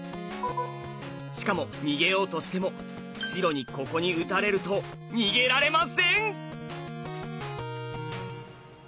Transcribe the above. しかも逃げようとしても白にここに打たれると逃げられません！